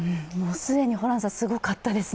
既にホランさん、すごかったですね